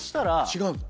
違うの？